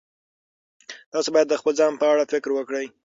تاسو باید د خپل ځان په اړه فکر وکړئ.